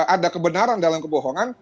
ada kebenaran dalam kebohongan